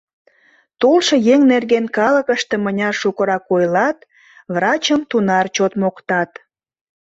Толшо еҥ нерген калыкыште мыняр шукырак ойлат, врачым тунар чот моктат.